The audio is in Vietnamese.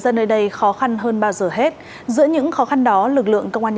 sáu trăm tám mươi năm hai trăm hai mươi năm con da cầm bị chết cuốn trôi